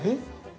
◆えっ。